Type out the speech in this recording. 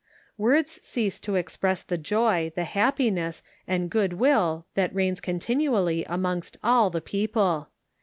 AVords cease to express the joy, the happiness and good will that reigns continually amongst all the people.